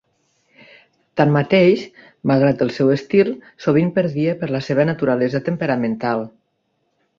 Tanmateix, malgrat el seu estil, sovint perdia per la seva naturalesa temperamental.